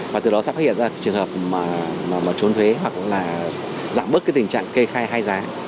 và từ đó sẽ phát hiện ra trường hợp mà trốn thuế hoặc là giảm bớt cái tình trạng kê khai hai giá